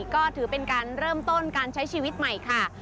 ก็ถือเป็นการเริ่มต้นการใช้ชีวิตใหม่ค่ะ